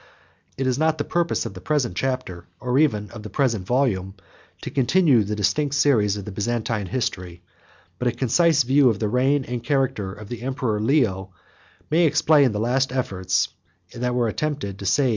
63 It is not the purpose of the present chapter, or even of the present volume, to continue the distinct series of the Byzantine history; but a concise view of the reign and character of the emperor Leo, may explain the last efforts that were attempted to save the falling empire of the West.